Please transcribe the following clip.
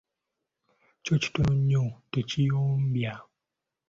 Ekyo kitono nnyo! tekiyombya.